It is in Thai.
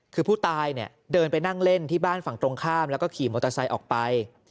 คือผู้ตายเนี่ยเดินไปนั่งเล่นที่บ้านฝั่งตรงข้ามแล้วก็ขี่มอเตอร์ไซค์ออกไป